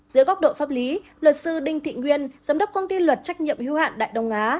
dưới góc độ pháp lý luật sư đinh thị nguyên giám đốc công ty luật trách nhiệm hưu hạn đại đông á